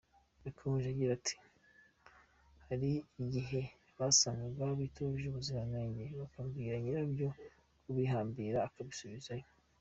Yakomeje agira ati “Hari n’igihe basangaga bitujuje ubuziranenge, bakabwira nyirabyo kubihambira akabisubizayo.